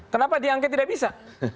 kenapa diangkit tidak bisa